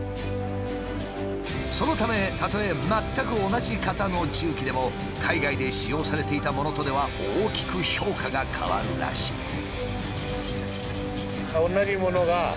そのためたとえ全く同じ型の重機でも海外で使用されていたものとでは大きく評価が変わるらしい。